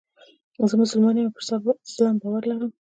زه مسلمان یم او پر اسلام باور لرم.